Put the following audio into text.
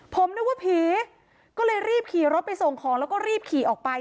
ผมนึกว่าผีก็เลยรีบขี่รถไปส่งของแล้วก็รีบขี่ออกไป